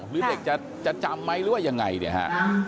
หรือเด็กจะจำไหมหรือว่ายังไงเนี่ยฮะ